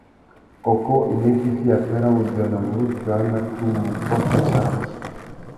Kôkô i mú itiffiya pêh râ wubiônô wurukia a nà tumu pôt nà sarawussi.